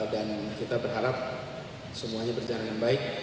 dan kita berharap semuanya berjalan baik